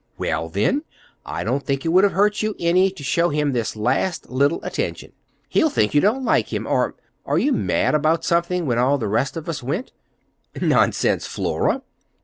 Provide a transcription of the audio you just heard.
"Well, then, I don't think it would have hurt you any to show him this last little attention. He'll think you don't like him, or—or are mad about something, when all the rest of us went." "Nonsense, Flora!"